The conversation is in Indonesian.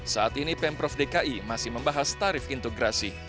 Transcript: saat ini pemprov dki masih membahas tarif integrasi